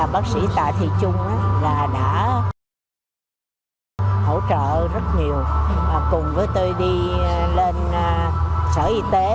bác sĩ tạ thị trung là đã hỗ trợ rất nhiều cùng với tôi đi lên sở y tế